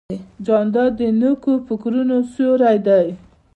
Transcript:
جانداد د نیکو فکرونو سیوری دی.